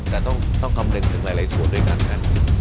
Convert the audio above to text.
แต่ต้องคำนึงถึงหลายส่วนด้วยกันนะ